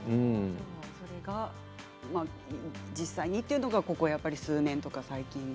それが実際にというのがここ数年というか最近？